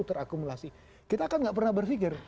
terakumulasi kita kan nggak pernah berpikir